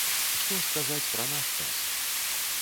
Што ж казаць пра наш час?